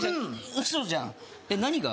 ウソじゃんえっ何が？